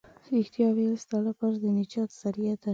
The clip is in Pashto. رښتيا ويل ستا لپاره د نجات ذريعه ده.